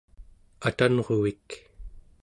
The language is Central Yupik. atanruvik